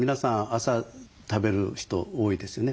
朝食べる人多いですよね。